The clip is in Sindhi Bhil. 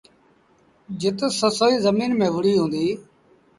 جت سسئيٚ زميݩ ميݩ وُهڙيٚ هُݩديٚ۔